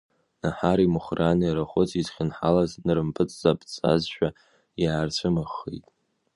Наҳари Мухрани арахәыц изхьынҳалаз нарымпыҵаԥҵәазшәа иаарцәымыӷхеит.